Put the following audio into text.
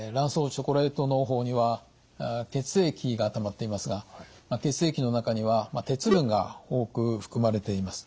チョコレートのう胞には血液がたまっていますが血液の中には鉄分が多く含まれています。